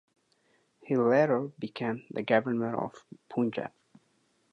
He later became the governor of Punjab.